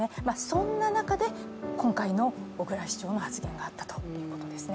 そんな中で今回の小椋市長の発言があったということですね。